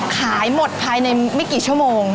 ขายหมดภายในไม่กี่ชั่วโมง